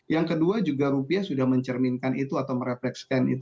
yang kedua juga rupiah sudah mencapai